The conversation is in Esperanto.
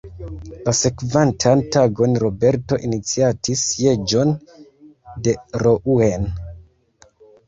La sekvantan tagon Roberto iniciatis sieĝon de Rouen.